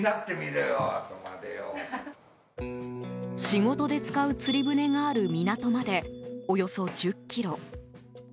仕事で使う釣り船がある港までおよそ１０ｋｍ。